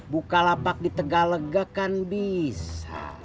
bukalapak di tegalegakan bisa